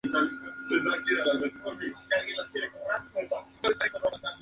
En Alberta vive solamente una variedad de serpiente venenosa, la cascabel de las praderas.